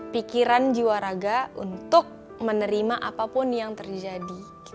pikiran jiwa raga untuk menerima apapun yang terjadi